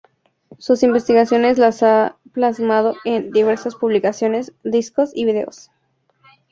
Sus investigaciones las ha plasmado en diversas publicaciones, discos y videos.